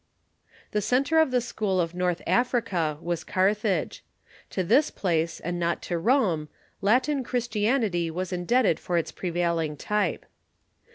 The centi'e of the school of North Africa Avas Carthage. To this place, and not to Rome, Latin 38 THE EARLY CHUKCII Christianity was indebted for its prevailing type.